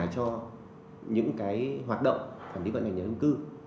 cho những cái hoạt động quản lý vận hành nhà ngân cư